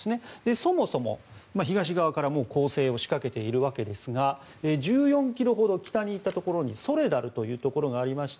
そもそも東側から攻勢を仕掛けているわけですが１４ｋｍほど北に行ったところにソレダルというところがありまして